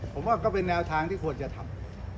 ผมว่าก็เป็นแนวทางที่ควรจะทำ